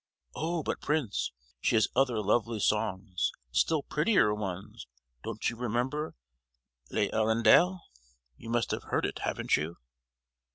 "Oh! but, Prince, she has other lovely songs, still prettier ones; don't you remember L'Hirondelle? You must have heard it, haven't you?"